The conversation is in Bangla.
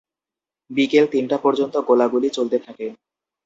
বিকেল তিনটা পর্যন্ত গোলাগুলি চলতে থাকে।